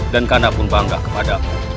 dan karena pun bangga kepadamu